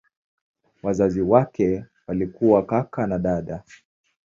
Wazazi wake walikuwa kaka na dada.